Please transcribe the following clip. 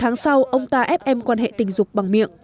sáu tháng sau ông ta ép em quan hệ tình dục bằng miệng